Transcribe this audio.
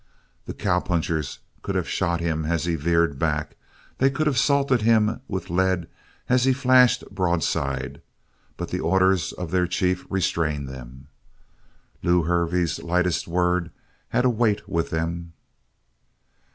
The cowpunchers could have shot him as he veered back; they could have salted him with lead as he flashed broadside, but the orders of their chief restrained them. Lew Hervey's lightest word had a weight with them.